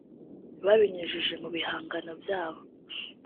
Babinyujije mu bihangano byabo